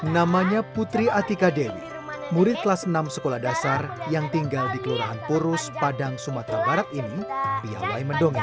namanya putri atika dewi murid kelas enam sekolah dasar yang tinggal di kelurahan purus padang sumatera barat ini piawai mendongeng